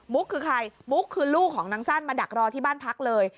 คือใครมุกคือลูกของนางสั้นมาดักรอที่บ้านพักเลย